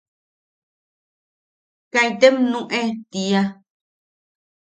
Kaitem nuʼune tiia.